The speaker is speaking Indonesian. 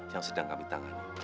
yang sedang kami tangani